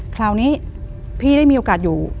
คราวนี้พี่ได้มีโอกาสอยู่